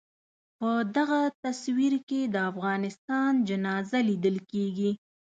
په دغه تصویر کې د افغانستان جنازه لیدل کېږي.